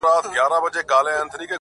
خدایه قربان دي، در واری سم، صدقه دي سمه,